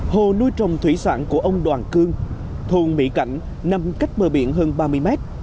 hồ nuôi trồng thủy sản của ông đoàn cương thôn mỹ cảnh nằm cách bờ biển hơn ba mươi mét